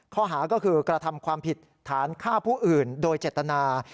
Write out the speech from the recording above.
ข้อหาก็คือกระทำความผิดฐานฆ่าผู้อื่นโดยเจตนา